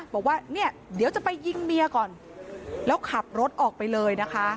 บอกว่าเนี่ยเดี๋ยวจะไปยิงเมียก่อนแล้วขับรถออกไปเลยนะคะ